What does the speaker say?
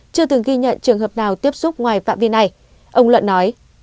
chưa từng ghi nhận trường hợp nào tiếp xúc ngoài phạm vi này ông luận nói